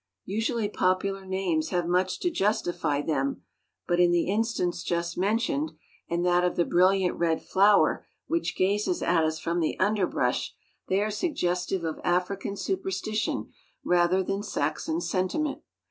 Usually popular names have much to justify them, but in the instance just mentioned, and that of the brilliant red flower which gazes at us from the underbrush, they are suggestive of African superstition rather than Saxon sentiment.